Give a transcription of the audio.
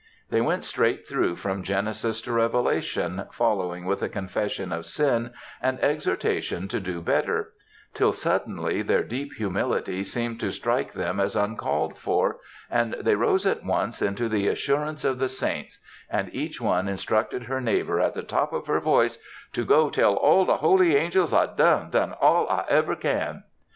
They went straight through from Genesis to Revelation, following with a confession of sin and exhortation to do better,—till suddenly their deep humility seemed to strike them as uncalled for, and they rose at once into the "assurance of the saints," and each one instructed her neighbor at the top of her voice to "Go tell all the holy angels, I done, done all I ever can."